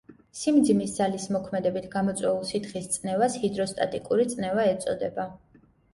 სიმძიმის ძალის მოქმედებით გამოწვეულ სითხის წნევას ჰიდროსტატიკური წნევა ეწოდება.